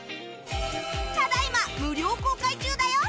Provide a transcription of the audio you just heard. ただいま無料公開中だよ